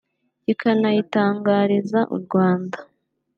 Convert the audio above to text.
kikanayitangariza u Rwanda